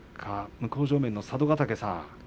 向正面の佐渡ヶ嶽さん